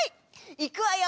いくわよ